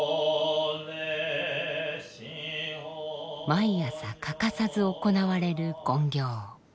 毎朝欠かさず行われる勤行。